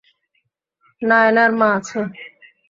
নায়নার মা আছে।